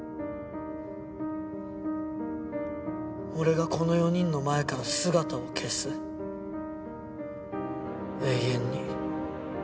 俺がこの４人の前から姿を消す永遠に。